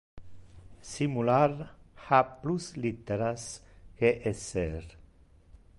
Simular ha plus litteras que esser.